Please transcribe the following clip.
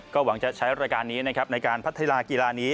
ก็หวังจะใช้รายการนี้ในการพัฒนากีฬานี้